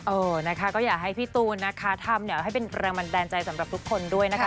เออนะคะก็อยากให้พี่ตูนนะคะทำเนี่ยให้เป็นแรงบันดาลใจสำหรับทุกคนด้วยนะคะ